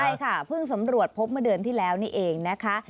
ใช่ค่ะเพิ่งสำรวจพบเมื่อเดือนที่แล้วนี่เองนะคะ